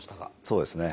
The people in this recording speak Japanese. そうですね。